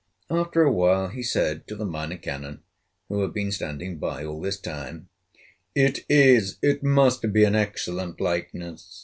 After a while he said to the Minor Canon, who had been standing by all this time: "It is, it must be, an excellent likeness!